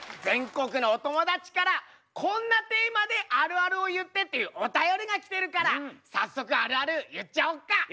全国のお友達からこんなテーマであるあるを言ってっていうお便りが来てるから早速あるある言っちゃおっか。